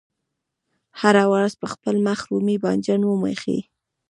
هره ورځ په خپل مخ رومي بانجان وموښئ.